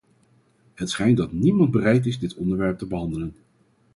Het schijnt dat niemand bereid is dit onderwerp te behandelen.